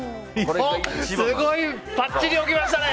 すごい！ばっちり起きましたね！